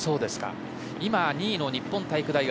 今、２位の日本体育大学。